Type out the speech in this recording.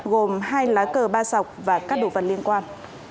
gồm hai lá cờ ba sọc và các đồ vật liên quan